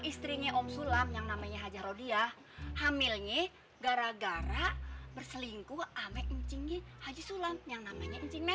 istrinya om sulam yang namanya haji rodiah hamilnya gara gara berselingkuh ama kencing haji sulam yang namanya kencing melan